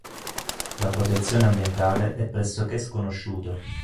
La protezione ambientale è pressoché sconosciuta.